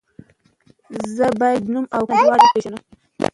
زه باید نوم او کړنه دواړه وپیژنم.